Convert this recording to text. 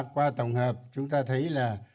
qua tổng hợp chúng ta thấy là